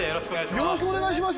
よろしくお願いします。